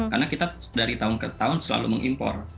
karena kita dari tahun ke tahun selalu mengimpor